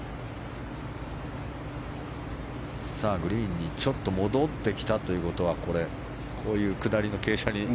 グリーンにちょっと戻ってきたということはこういう下りの傾斜に。